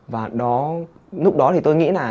và lúc đó thì tôi nghĩ là